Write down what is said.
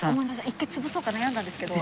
一回潰そうか悩んだんですけど。